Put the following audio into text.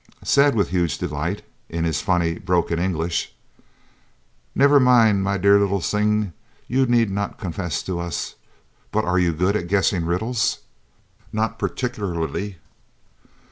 said with huge delight, in his funny, broken English: "Never mind, my dear little sing, you need not confess to us but are you good at guessing riddles?" "Not particularly."